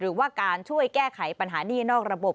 หรือว่าการช่วยแก้ไขปัญหานี่นอกระบบ